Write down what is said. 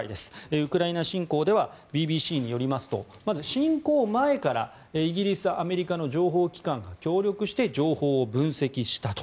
ウクライナ侵攻ではＢＢＣによりますとまず、侵攻前からイギリス、アメリカの情報機関が協力して情報を分析したと。